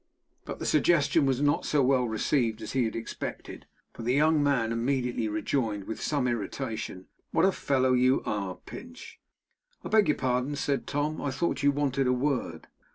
But the suggestion was not so well received as he had expected; for the young man immediately rejoined, with some irritation, 'What a fellow you are, Pinch!' 'I beg your pardon,' said Tom, 'I thought you wanted a word.